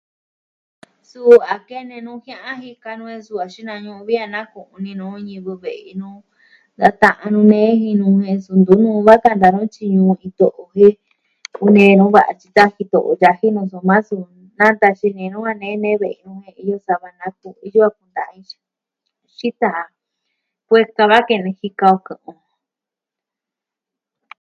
Suu a kene nuu jia'a jika nuu a suu a xinañu'u a vi na ku'u ni nuu ñivɨ ve'i nu. Da ta'an nuu nee jin nuu su ntu va kanta nu tyi nuu ito o jen kunee nu da tyi tan jito'o yaji nu soma na tan xini nu a nee nee ve'i iyo sava natu ijio kun da ityi. Xita a kueka da kene jika kɨ'ɨn.